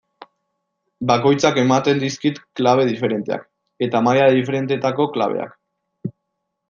Bakoitzak ematen dizkit klabe diferenteak, eta maila diferentetako klabeak.